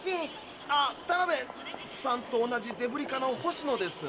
あタナベさんと同じデブリ課の星野です。